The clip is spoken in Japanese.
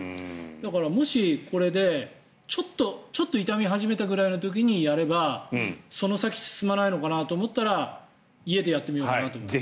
だから、もしこれでちょっと痛み始めたくらいの時にやればその先進まないのかなと思ったら家でやってみようかなと思います。